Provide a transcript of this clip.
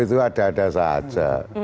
itu ada ada saja